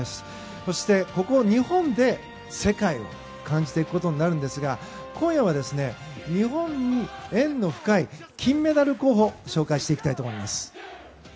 そして、ここ日本で世界を感じていくことになるんですが今夜は日本に縁の深い金メダル候補を紹介していきたいと思います。